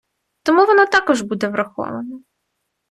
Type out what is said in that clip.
Тому воно також буде враховано.